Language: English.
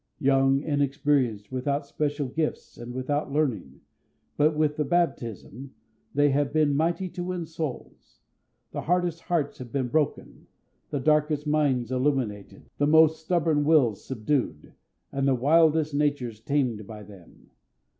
Young, inexperienced, without special gifts, and without learning, but with the baptism, they have been mighty to win souls. The hardest hearts have been broken, the darkest minds illuminated, the most stubborn wills subdued, and the wildest natures tamed by them.